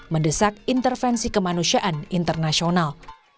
mendesak intervensi kemanusiaan internasional